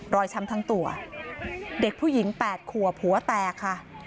ช้ำทั้งตัวเด็กผู้หญิง๘ขวบหัวแตกค่ะ